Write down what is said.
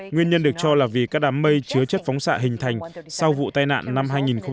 nguyên nhân được cho là vì các đám mây chứa chất phóng xạ hình thành sau vụ tai nạn năm hai nghìn một mươi chín